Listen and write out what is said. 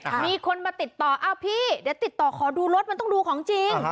มีคนมาติดต่ออ้าวพี่เดี๋ยวติดต่อขอดูรถมันต้องดูของจริง